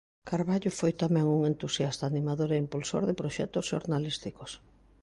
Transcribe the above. Carballo foi tamén un entusiasta animador e impulsor de proxectos xornalísticos.